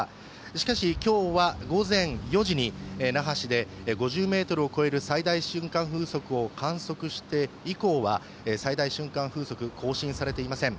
しかし、今日は午前４時に那覇市で５０メートルを超える最大瞬間風速を観測して以降は最大瞬間風速、更新されていません。